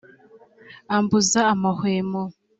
ambuza amahwemo,